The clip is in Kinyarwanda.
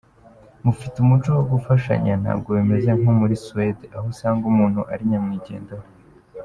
Mufite umuco wo gufashanya, ntabwo bimeze nko muri Suède aho usanga umuntu ari nyamwigendaho.